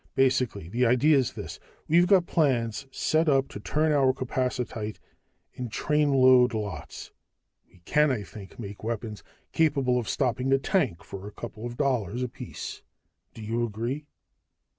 Basically, the idea is this. We've got plants set up to turn out capacitite in trainload lots. We can, I think, make weapons capable of stopping a tank for a couple of dollars apiece. Do you agree?"